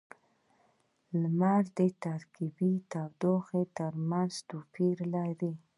• لمر د ترکيبی تودوخې ترمینځ توپیر لري.